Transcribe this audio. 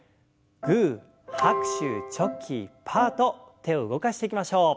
グー拍手チョキパーと手を動かしていきましょう。